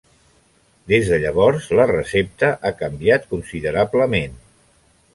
Des de llavors la recepta ha canviat considerablement.